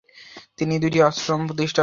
তিনি দুটি আশ্রম প্রতিষ্ঠা করেন।